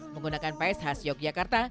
menggunakan paes khas yogyakarta